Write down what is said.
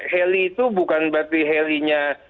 heli itu bukan berarti helinya